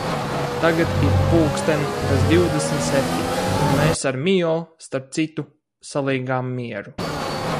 Tagad ir pulksten bez divdesmit septiņi, un mēs ar Mio, starp citu, salīgām mieru.